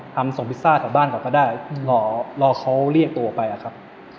ทำส่งวิซซ่าต่อบ้านก็ได้รอเขาเรียกตัวไปครับ